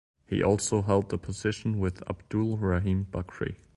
He also held the position with Abdul Rahim Bakri.